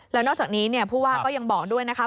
แล้วนอกจากนี้ผู้ว่าก็ยังบอกด้วยนะคะ